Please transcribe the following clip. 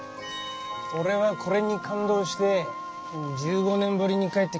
俺はこれに感動して１５年ぶりに帰ってきたんだ。